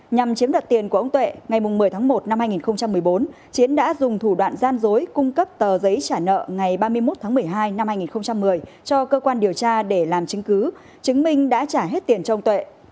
nhằm chiếm đoạt tiền của ông tuệ ngày một mươi tháng một năm hai nghìn một mươi bốn chiến đã dùng thủ đoạn gian dối cung cấp tờ giấy trả nợ ngày ba mươi một tháng một mươi hai năm hai nghìn một mươi cho cơ quan điều tra để làm chứng cứ chứng minh đã trả hết tiền cho ông tuệ